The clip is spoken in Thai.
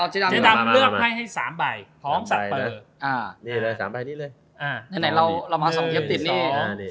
จะเลือกไพ่ไทยให้๓ใบ